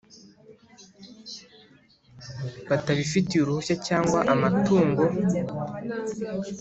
batabifitiye uruhushya cyangwa amatungo